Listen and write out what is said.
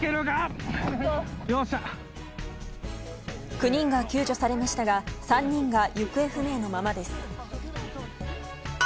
９人が救助されましたが３人が行方不明のままです。